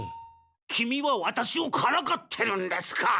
キミはワタシをからかってるんですか？